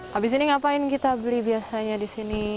habis ini ngapain kita beli biasanya di sini